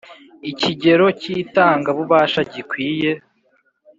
Ikigero cy itanga bubasha gikwiye